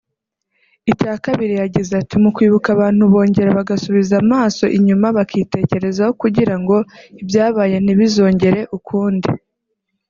Icya kabiri yagize ati “Mu kwibuka abantu bongera bagasubiza amaso inyuma bakitekerezaho kugira ngo ibyabaye ntibizongere ukundi